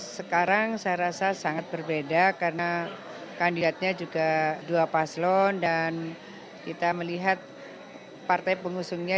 sekarang saya rasa sangat berbeda karena kandidatnya juga dua paslon dan kita melihat partai pengusungnya